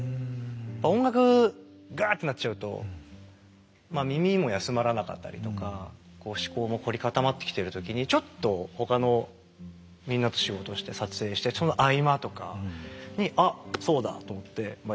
音楽ガーッてなっちゃうとまあ耳も休まらなかったりとかこう思考も凝り固まってきてる時にちょっと他のみんなと仕事をして撮影してその合間とかに「あっそうだ」と思ってまあ